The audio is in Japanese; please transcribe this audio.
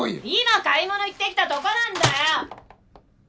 今買い物行ってきたとこなんだよ！